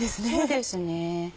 そうですね。